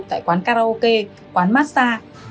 tại quán karaoke quán massage